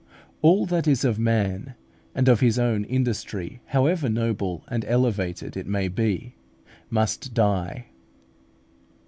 All that is of man, and of his own industry, however noble and elevated it may be, must die.